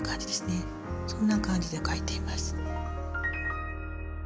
そんな感じで描いています。